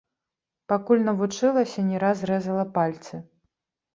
Пакуль навучылася, не раз рэзала пальцы.